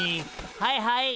はいはい。